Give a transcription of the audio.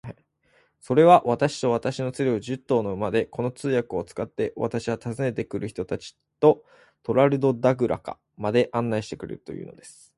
それは、私と私の連れを、十頭の馬で、この通訳を使って、私は訪ねて来る人たちとトラルドラグダカまで案内してくれるというのです。